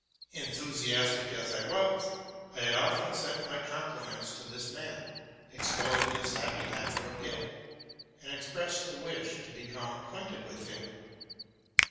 Enthusiastic as I was, I had often sent my compliments to RELATING TO MY LIFE. 265 this man, extolled his happy natural gift, and expressed the wish to become acquainted with him.